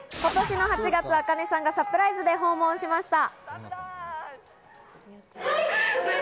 今年の８月、ａｋａｎｅさんがサプライズで訪問しました。